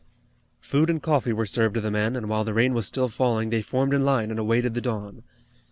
Food and coffee were served to the men, and while the rain was still falling they formed in line and awaited the dawn.